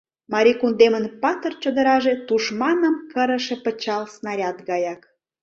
Марий кундемын патыр чодыраже Тушманым кырыше пычал, снаряд гаяк.